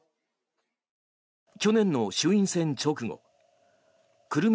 去年の衆院選直後久留米